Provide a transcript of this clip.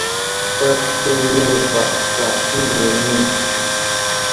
Fat keme ve tsa eŋdene ?